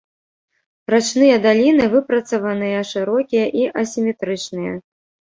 Рачныя даліны выпрацаваныя, шырокія і асіметрычныя.